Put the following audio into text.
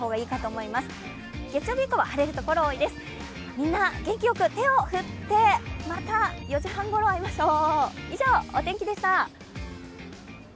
みんな、元気よく手を振って、また４時半ごろ会いましょう！